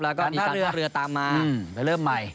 แล้วก็มีการท่าเรือตามมาไปเริ่มใหม่